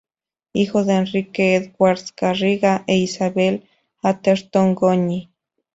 Hijo de Enrique Edwards Garriga e Isabel Atherton Goñi.